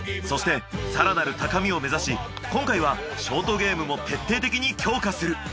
そして更なる高みを目指し今回はショートゲームも徹底的に強化する。